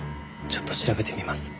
ちょっと調べてみます。